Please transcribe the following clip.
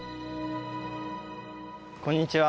こんにちは。